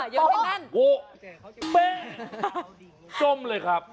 นั่นเป๊ะจมเลยครับ